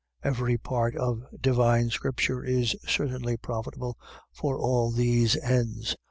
. .Every part of divine scripture is certainly profitable for all these ends.